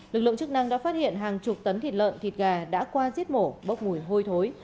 lực lượng chức năng đã phát hiện hàng chục tấn thịt lợn thịt gà đã qua giết mổ bốc mùi hôi thối